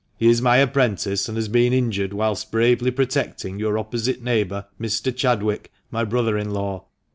He is my apprentice, and has been injured whilst bravely protecting your opposite neighbour, Mr. Chadwick, my brother in law.